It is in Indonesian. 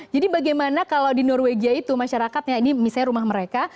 jadi bagaimana kalau di norwegia itu masyarakatnya ini misalnya rumah mereka